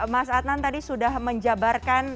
mas adnan tadi sudah menjabarkan